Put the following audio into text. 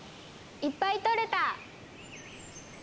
いっぱい採れた！